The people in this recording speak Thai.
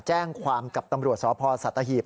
แจ้งความกับตำรวจสาวพอร์สัตว์อาหีบ